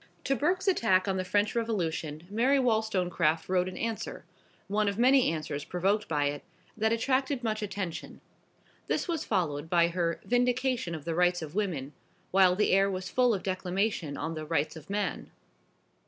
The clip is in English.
To Burke's attack on the French Revolution Mary Wollstonecraft wrote an Answer one of many answers provoked by it that attracted much attention. This was followed by her "Vindication of the Rights of Woman," while the air was full of declamation on the "Rights of Man."